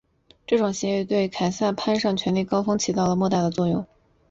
这种议决对于凯撒攀上权力高峰起了莫大的作用。